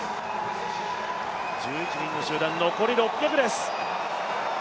１１人の集団、残り６００です。